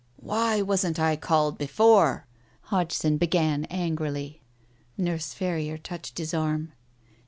"Why wasn't I called before?" Hodgson began angrily. Nurse Ferrier touched his arm.